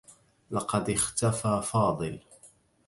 لقد اختفى فاضل.